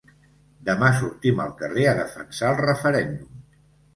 Demà sortim al carrer a defensar el referèndum.